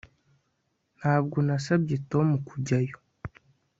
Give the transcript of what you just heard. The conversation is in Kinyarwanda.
Ntabwo nasabye Tom kujyayo